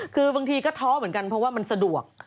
คือบางทีก็ท้อเหมือนกันเพราะว่ามันสะดวก